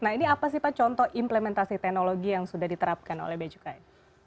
nah ini apa sih pak contoh implementasi teknologi yang sudah diterapkan oleh becukai